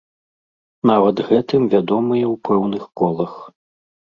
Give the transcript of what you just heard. Нават гэтым вядомыя ў пэўных колах.